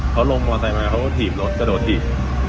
แล้วลงมอเตอร์ไซค์มาแล้วเขาก็ถีบรถกระโดดถีบ